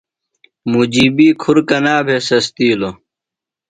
مُحیبی کُھر کنا بھے سستِیلوۡ؟